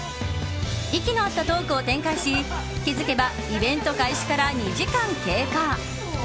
息の合ったトークを展開し気づけばイベント開始から２時間経過。